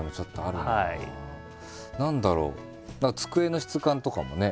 何だろう机の質感とかもね